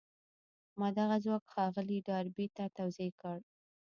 ما دغه ځواک ښاغلي ډاربي ته توضيح کړ.